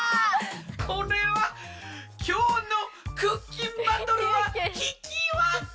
これはきょうのクッキンバトルはひきわけ！